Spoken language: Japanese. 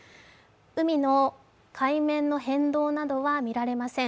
海の海面の変動などは見られません。